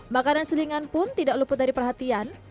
makanan selingan pun terlihat tidak terlalu berguna